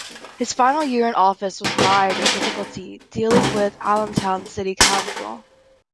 His final year in office was mired in difficulty dealing with Allentown's city council.